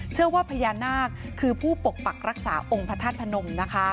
เชื่อว่าพญานาคคือผู้ปกปักรักษาองค์พระธาตุพนมนะคะ